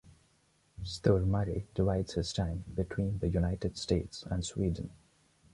Stormare divides his time between the United States and Sweden.